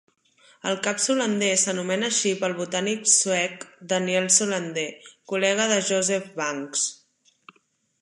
El Cap Solander s'anomena així pel botànic suec Daniel Solander, col·lega de Joseph Banks.